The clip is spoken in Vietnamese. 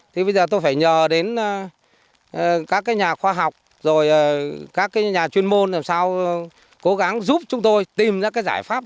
thì bây giờ tôi phải nhờ đến các nhà khoa học rồi các cái nhà chuyên môn làm sao cố gắng giúp chúng tôi tìm ra cái giải pháp